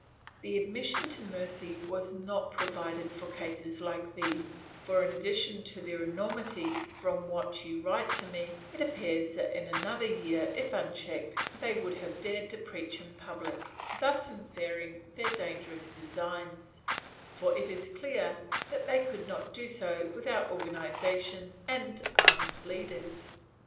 ... The admission to mercy was not provided for cases like these for, in addition to their enormity, from what you write to me, it appears that in another year, if unchecked, they would have dared to preach in public, thus infer ring their dangerous designs, for it is clear that they could not do so without organization and armed leaders.